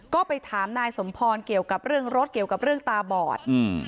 ก็ไปถามนายสมพรเกี่ยวกับเรื่องรถเกี่ยวกับเรื่องตาบอดอืม